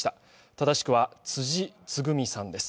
正しくは辻つぐみさんです。